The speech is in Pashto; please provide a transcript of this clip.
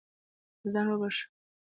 ځان وبښه.